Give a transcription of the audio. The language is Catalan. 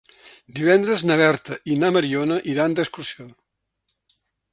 Divendres na Berta i na Mariona iran d'excursió.